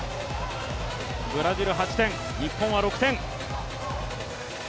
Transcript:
ブラジル８点、日本は６点。